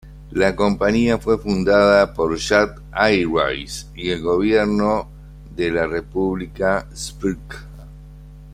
La compañía fue fundada por Jat Airways y el gobierno de la República Srpska.